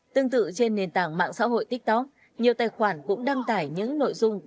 tương tự trên nền tảng mạng xã hội tiktok nhiều tài khoản cũng đăng tải những nội dung